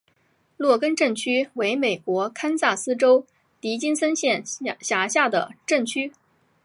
洛根镇区为美国堪萨斯州迪金森县辖下的镇区。